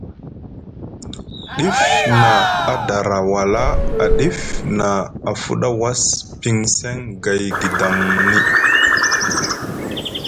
Ɗif na a dara wala a ɗif na a fuda was piŋ seŋ gay guidaŋni.